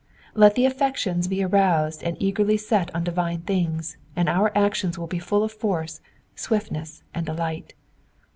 Let the affections be aroused and eagerly set on divine things, and our actions will be full of force, swiftness, and delight.